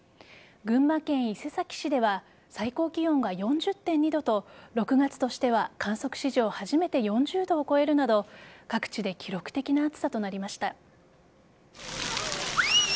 群馬県伊勢崎市では最高気温が４０．２度と６月としては観測史上初めて４０度を超えるなど各地で記録的な暑さとなりました。